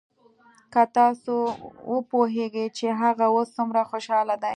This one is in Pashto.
که تاسو وپويېګئ چې هغه اوس سومره خوشاله دى.